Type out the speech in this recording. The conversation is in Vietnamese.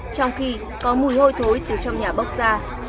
trong khi có mùi hôi thối từ trong nhà bốc ra